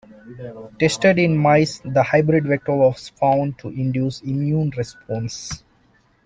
Tested in mice, the hybrid vector was found to induce immune response.